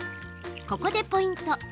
ここでポイント。